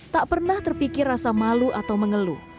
tak pernah terpikir rasa malu atau mengeluh